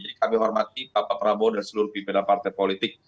jadi kami hormati bapak prabowo dan seluruh pimpinan partai politik